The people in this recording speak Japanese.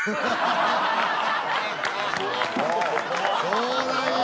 そうなんや。